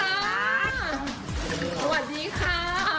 สวัสดีค่ะ